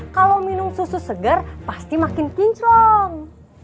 kalau minum susu segar pasti makin kinclong